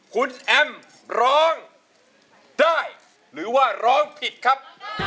คุณแอมร้องได้หรือว่าร้องผิดครับ